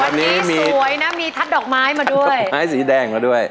วันนี้สวยนะมีทัดดอกไม้มาด้วยไม้สีแดงมาด้วย